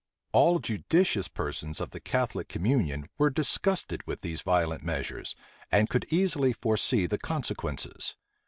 All judicious persons of the Catholic communion were disgusted with these violent measures, and could easily foresee the consequences.